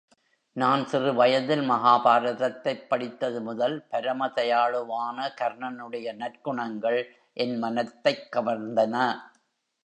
நான் சிறு வயதில் மகாபாரதத்தைப் படித்தது முதல், பரம தயாளுவான கர்ணனுடைய நற்குணங்கள் என் மனத்தைக் கவர்ந்தன.